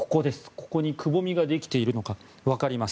ここにくぼみができているのがわかります。